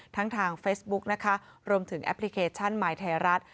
ทางเฟซบุ๊กนะคะรวมถึงแอปพลิเคชันมายไทยรัฐ